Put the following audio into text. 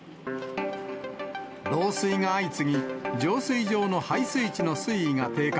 漏水が相次ぎ、浄水場の配水池の水位が低下。